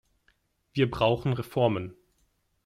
Wir brauchen Reformen.